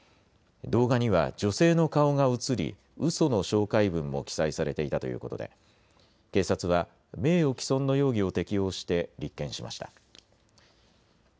動画には女性の顔が映りうその紹介文も記載されていたということで警察は名誉毀損の容疑を適用して立件しました。